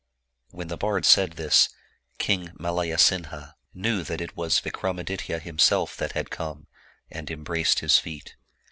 When the bard said this, King Malayasinha knew that it was Vikramaditya himself that had come, and embraced his feet.